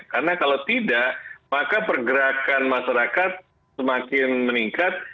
karena kalau tidak maka pergerakan masyarakat semakin meningkat